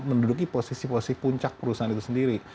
menduduki posisi posisi puncak perusahaan itu sendiri